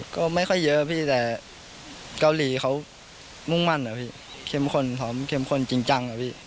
ก็ไม่ค่อยเยอะพี่แต่เกาหลีเขามุ่งมั่นเข้มขนจริงจัง